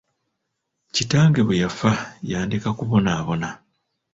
Kitange bwe yafa, yandeka kubonabona.